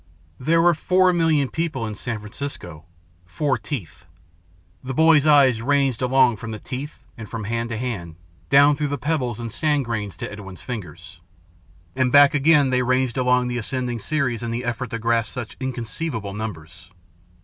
"There were four million people in San Francisco four teeth." The boys' eyes ranged along from the teeth and from hand to hand, down through the pebbles and sand grains to Edwin's fingers. And back again they ranged along the ascending series in the effort to grasp such inconceivable numbers.